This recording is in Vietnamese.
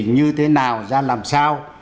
như thế nào ra làm sao